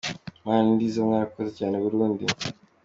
Imana ni nziza!! Mwarakoze cyane Burundi…”.